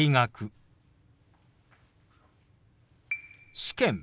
「試験」。